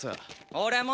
俺も。